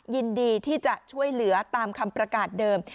ยินดีที่จะช่วยเหลือตามคำประกาศเดิม